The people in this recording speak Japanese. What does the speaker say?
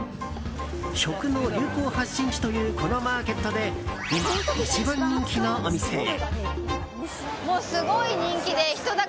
食の流行発信地というこのマーケットで今、一番人気のお店へ。